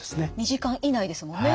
２時間以内ですもんね。